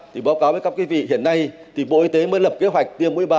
thì báo cáo với các quý vị hiện nay thì bộ y tế mới lập kế hoạch tiêm bốn mươi ba